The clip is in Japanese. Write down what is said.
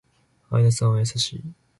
相田さんは優しい